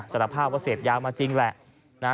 สารภาพว่าเสพยามาจริงแหละ